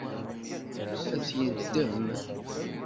Ad t-yeddem?